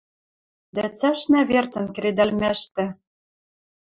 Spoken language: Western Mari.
Дӓ цӓшнӓ верцӹн кредӓлмӓштӹ